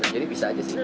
jadi bisa aja sih